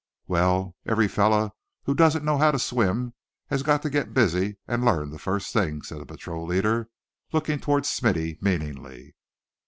"Well, every fellow who doesn't know how to swim has got to get busy, and learn the first thing," said the patrol leader, looking toward Smithy meaningly.